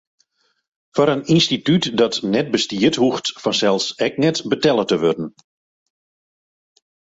Foar in ynstitút dat net bestiet, hoecht fansels ek net betelle te wurden.